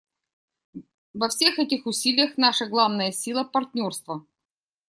Во всех этих усилиях наша главная сила — партнерство.